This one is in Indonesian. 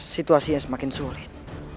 situasinya semakin sulit